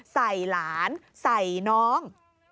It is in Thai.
ใส่หลานใส่น้อง